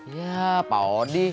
iya pak odi